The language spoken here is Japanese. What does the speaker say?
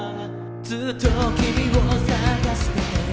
ずっときみを探してたよ